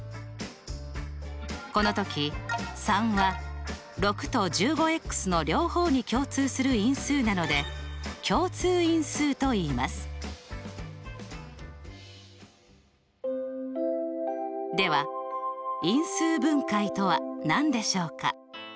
この時３は６と１５の両方に共通する因数なのででは「因数分解」とは何でしょうか？